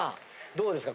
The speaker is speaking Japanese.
どうですか？